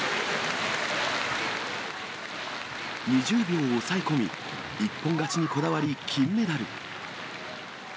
２０秒押さえ込み、一本勝ちにこだわり、金メダル。